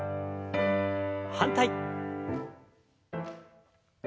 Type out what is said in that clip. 反対。